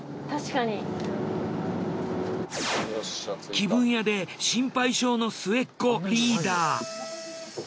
気分屋で心配性の末っ子リーダー。